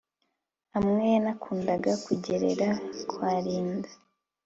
amwe yanakundaga kugerera kwa Linda